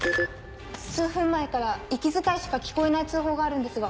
数分前から息遣いしか聞こえない通報があるんですが。